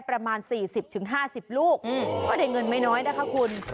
ประมาณ๔๐๕๐ลูกก็ได้เงินไม่น้อยนะคะคุณ